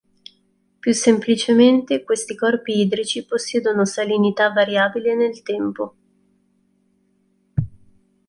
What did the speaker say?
Più semplicemente, questi corpi idrici possiedono salinità variabile nel tempo.